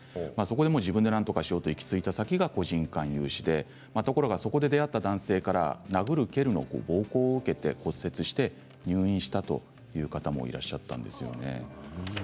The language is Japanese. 自分でなんとかしようと行き着いた先が個人間融資だったそこで出会った男性から殴る蹴るの暴行を受けて骨折して入院したという方もいらっしゃいました。